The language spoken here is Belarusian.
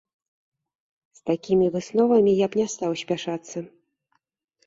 З такімі высновамі я б не стаў спяшацца.